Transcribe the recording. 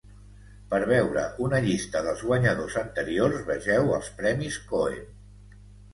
Per veure una llista dels guanyadors anteriors, vegeu els Premis Cohen.